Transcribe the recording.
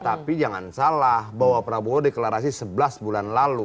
tapi jangan salah bahwa prabowo deklarasi sebelas bulan lalu